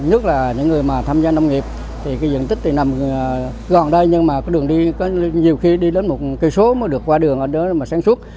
nhất là những người mà tham gia nông nghiệp thì cái diện tích thì nằm gòn đây nhưng mà cái đường đi có nhiều khi đi đến một km mới được qua đường mà sáng suốt